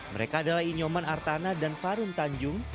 mereka adalah inyoman artana dan farun tanjung